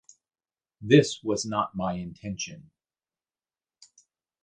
This was not my intention.